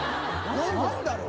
何だろう？